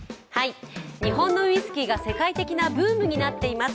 日本のウイスキーが世界的なブームとなっています。